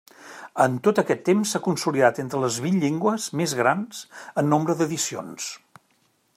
En tot aquest temps s'ha consolidat entre les vint llengües més grans en nombre d'edicions.